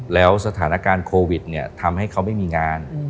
แล้วสถานการณ์โควิดเนี่ยทำให้เขาไม่มีงาน